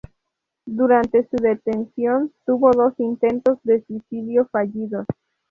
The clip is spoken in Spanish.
Durante su detención tuvo dos intentos de suicidio fallidos.